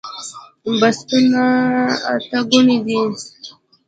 بستونه اته ګوني دي